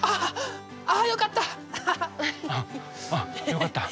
よかった。